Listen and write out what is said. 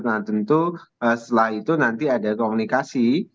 nah tentu setelah itu nanti ada komunikasi